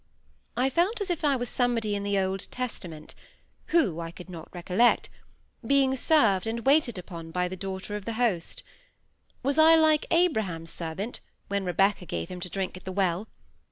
I felt as if I were somebody in the Old Testament—who, I could not recollect—being served and waited upon by the daughter of the host. Was I like Abraham's servant, when Rebekah gave him to drink at the well?